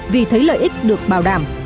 vì thấy lợi ích được bảo đảm